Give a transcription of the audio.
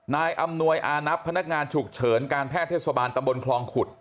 อำนวยอานับพนักงานฉุกเฉินการแพทย์เทศบาลตำบลคลองขุด